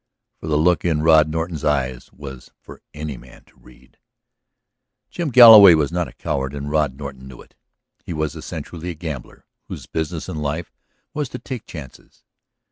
For the look in Rod Norton's eyes was for any man to read. Jim Galloway was not a coward and Rod Norton knew it. He was essentially a gambler whose business in life was to take chances.